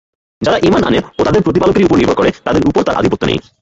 যারা ঈমান আনে ও তাদের প্রতিপালকেরই উপর নির্ভর করে তাদের উপর তার আধিপত্য নেই।